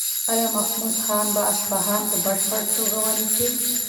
ایا محمود خان به اصفهان په بشپړه توګه ونیسي؟